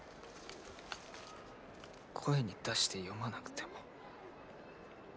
声に出して詠まなくても。